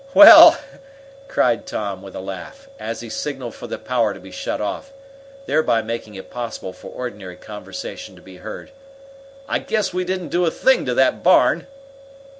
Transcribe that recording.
"Well," cried Tom, with a laugh, as he signaled for the power to be shut off, thereby making it possible for ordinary conversation to be heard, "I guess we didn't do a thing to that barn!"